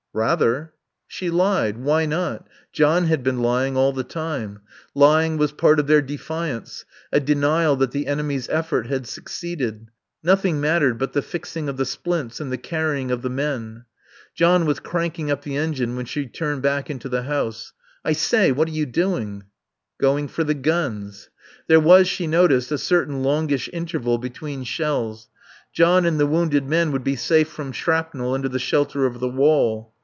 "Rather." She lied. Why not? John had been lying all the time. Lying was part of their defiance, a denial that the enemy's effort had succeeded. Nothing mattered but the fixing of the splints and the carrying of the men.... John was cranking up the engine when she turned back into the house. "I say, what are you doing?" "Going for the guns." There was, she noticed, a certain longish interval between shells. John and the wounded men would be safe from shrapnel under the shelter of the wall.